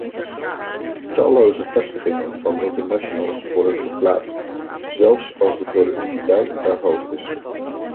Talloze vestigingen van multinationals worden verplaatst, zelfs als de productiviteit er hoog is.